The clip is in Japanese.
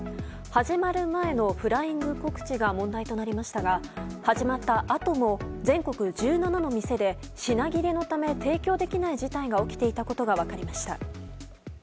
始まる前のフライング告知が問題となりましたが始まったあとも全国１７の店で品切れのため提供できない事態が起きていたことが分かりました。